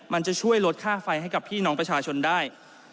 มันจะช่วยลดค่าไฟให้กับพี่น้องประชาชนได้